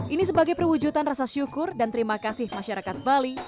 ini sebagai perwujudan rasa syukur dan terima kasih masyarakat bali